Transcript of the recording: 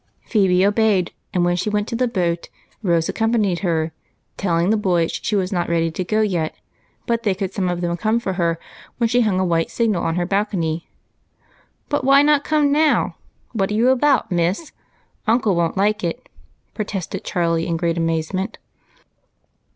Phebe obeyed, and when she went to the boat Rose accompa^ nied her, telling the boys she was not ready to go yet, but they could some of them come for her when she hung a white signal on her balcony. " But why not come now ? What are you about, miss ? Uncle won't like it," protested Charlie, in great amazement.